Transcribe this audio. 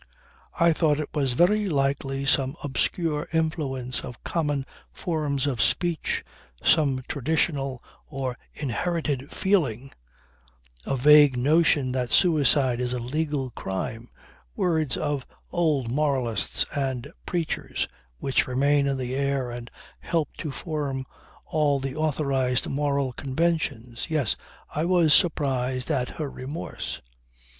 I thought it was very likely some obscure influence of common forms of speech, some traditional or inherited feeling a vague notion that suicide is a legal crime; words of old moralists and preachers which remain in the air and help to form all the authorized moral conventions. Yes, I was surprised at her remorse.